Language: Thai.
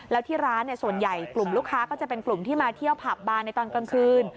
แล้วที่ร้านส่วนใหญ่กลุ่มลูกค้าก็จะเป็นกลุ่มที่มาเที่ยวผับบานในตอนกลางคืน